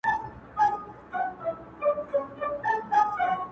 څوک یې غواړي نن مي عقل پر جنون سودا کوومه-